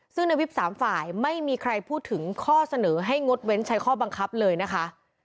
ซึ่งในวิป๓ฝ่ายไม่มีใครพูดถึงข้อเสนอให้งดเว้นใช้ข้อบังคับเลยนะคะ